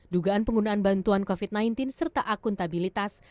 dugaan penggunaan bantuan covid sembilan belas serta akuntabilitas